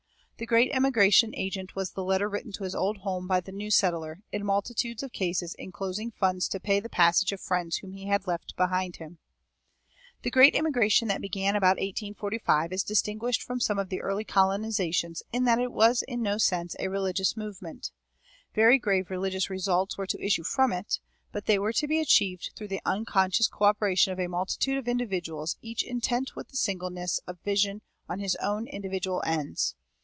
The great emigration agent was the letter written to his old home by the new settler, in multitudes of cases inclosing funds to pay the passage of friends whom he had left behind him. The great immigration that began about 1845 is distinguished from some of the early colonizations in that it was in no sense a religious movement. Very grave religious results were to issue from it; but they were to be achieved through the unconscious coöperation of a multitude of individuals each intent with singleness of vision on his own individual ends.